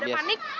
enggak ada panik